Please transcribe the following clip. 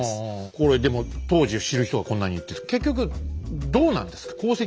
これでも当時を知る人がこんなに言ってて結局どうなんですか？